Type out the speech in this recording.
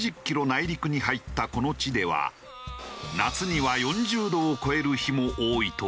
内陸に入ったこの地では夏には４０度を超える日も多いという。